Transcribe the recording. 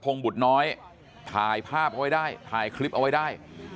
บุตรน้อยถ่ายภาพเอาไว้ได้ถ่ายคลิปเอาไว้ได้